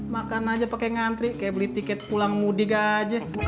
makan aja pakai ngantri kayak beli tiket pulang mudik aja